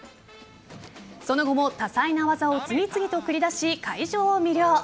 その後も多彩な技を次々と繰り出し会場を魅了。